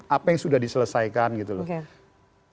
apa yang sudah diselesaikan gitu loh